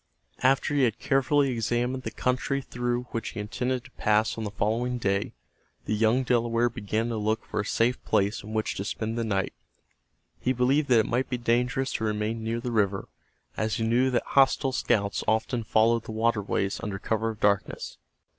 After he had carefully examined the country through which he intended to pass on the following day, the young Delaware began to look for a safe place in which to spend the night. He believed that it might be dangerous to remain near the river, as he knew that hostile scouts often followed the waterways under cover of darkness.